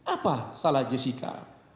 apa salah jessica